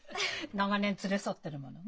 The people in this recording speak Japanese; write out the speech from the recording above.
長年連れ添ってるもの。